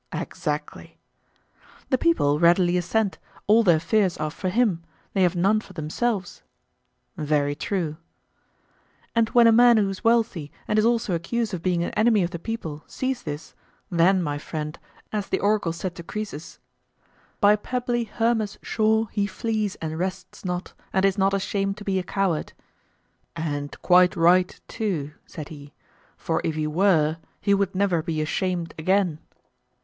Exactly. The people readily assent; all their fears are for him—they have none for themselves. Very true. And when a man who is wealthy and is also accused of being an enemy of the people sees this, then, my friend, as the oracle said to Croesus, 'By pebbly Hermus' shore he flees and rests not, and is not ashamed to be a coward.' And quite right too, said he, for if he were, he would never be ashamed again.